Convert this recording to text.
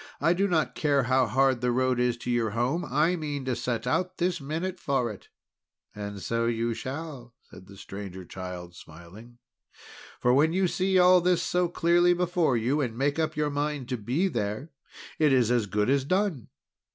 I do not care how hard the road is to your home, I mean to set out this minute for it." "And so you shall!" said the Stranger Child smiling; "for when you see all this so clearly before you, and make up your mind to be there, it is as good as done!